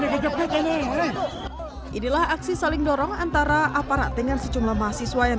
ini kejepit ini ini inilah aksi saling dorong antara aparat dengan sejumlah mahasiswa yang